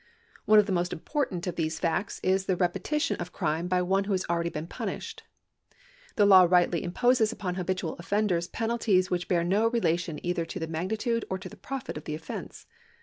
One of the most important of these facts is the repetition of crime by one who has been already punished. The law rightly imposes upon habitual offenders penalties which bear no relation either to the magnitude or to the profit of the offence.